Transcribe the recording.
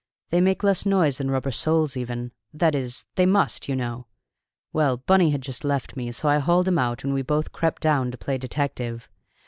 They make less noise than rubber soles even that is, they must, you know! Well, Bunny had just left me, so I hauled him out and we both crept down to play detective.